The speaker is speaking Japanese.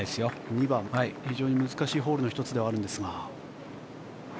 ２番、非常に難しいホールの１つではあるんですが。